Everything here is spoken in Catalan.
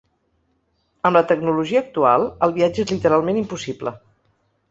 Amb la tecnologia actual el viatge és literalment impossible.